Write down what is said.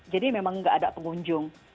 jadi memang nggak ada pengunjung